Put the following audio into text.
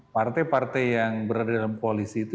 partai partai yang berada dalam koalisi itu